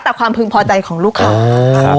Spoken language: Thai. แต่ความพึงพอใจของลูกค้า